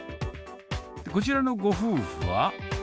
こちらのご夫婦は。